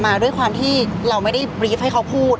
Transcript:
ด้วยความที่เราไม่ได้บรีฟให้เขาพูด